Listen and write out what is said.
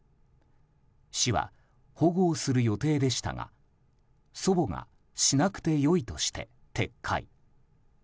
市は保護する予定でしたが祖母がしなくて良いとして撤回。